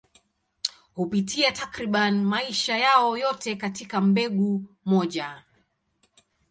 Hupitia takriban maisha yao yote katika mbegu moja.